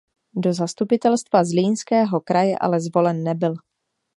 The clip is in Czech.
Do zastupitelstva Zlínského kraje ale zvolen nebyl.